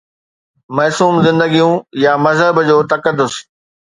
معصوم زندگيون يا مذهب جو تقدس؟